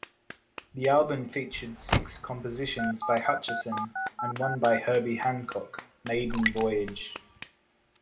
The album features six compositions by Hutcherson, and one by Herbie Hancock, "Maiden Voyage".